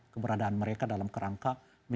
keberadaan mereka dalam kerangka